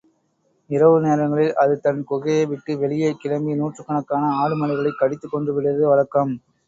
இரவு நேரங்களில் அது தன் குகையை விட்டு வெளியே கிளம்பி, நூற்றுக்கணக்கான ஆடுமாடுகளைக் கடித்துக் கொன்றுவிடுவது வழக்கம்.